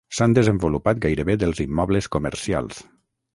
S'han desenvolupat gairebé dels immobles comercials.